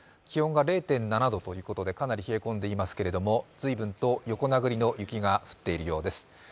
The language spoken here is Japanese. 気温が０．７度ということで、かなり冷え込んでいますけれども、随分と横殴りの雪が降っているようです。